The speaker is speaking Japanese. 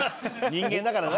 人間だからね。